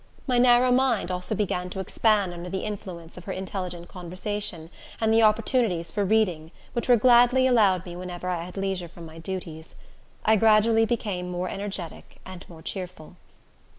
My narrow mind also began to expand under the influences of her intelligent conversation, and the opportunities for reading, which were gladly allowed me whenever I had leisure from my duties. I gradually became more energetic and more cheerful.